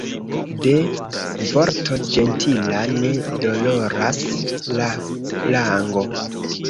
De vorto ĝentila ne doloras la lango.